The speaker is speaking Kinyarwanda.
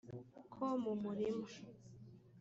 ko mu murima